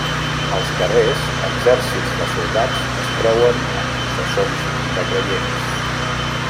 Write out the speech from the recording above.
Als carrers, exèrcits de soldats es creuen amb processons de creients.